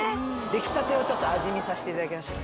出来たてをちょっと味見させていただきました